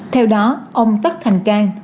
theo đó ông tất thành cang